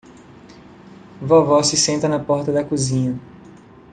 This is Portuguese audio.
Vovó se senta na porta da cozinha